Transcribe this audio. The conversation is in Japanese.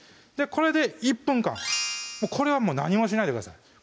これで１分間これはもう何もしないでください